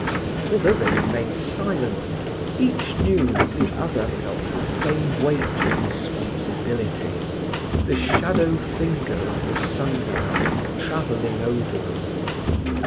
Although they remained silent, each knew that the other felt the same weight of responsibility, the shadow finger of the sundial travelling over them.